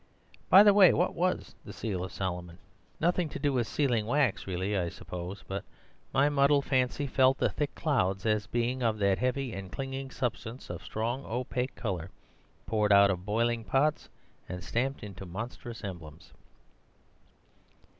By the way, what was the Seal of Solomon? Nothing to do with sealing wax really, I suppose; but my muddled fancy felt the thick clouds as being of that heavy and clinging substance, of strong opaque colour, poured out of boiling pots and stamped into monstrous emblems.